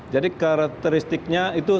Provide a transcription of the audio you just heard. jadi karakteristiknya itu